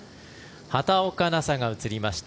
畑岡奈紗が映りました